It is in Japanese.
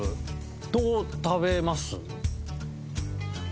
どう食べます？